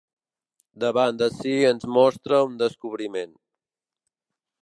Davant d'ací ens mostra un descobriment.